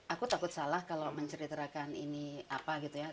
aku takut salah kalau menceritakan ini apa gitu ya